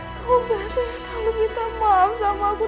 kamu biasanya selalu minta maaf sama aku